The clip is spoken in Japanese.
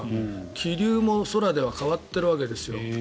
気流も空では変わっているわけですよ。